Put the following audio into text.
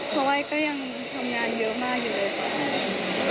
เพราะว่าก็ยังทำงานเยอะมากอยู่เลยค่ะ